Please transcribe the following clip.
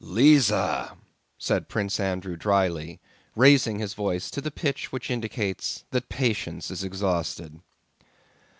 "Lise!" said Prince Andrew dryly, raising his voice to the pitch which indicates that patience is exhausted.